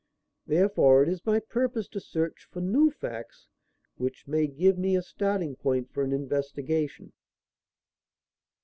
Therefore it is my purpose to search for new facts which may give me a starting point for an investigation."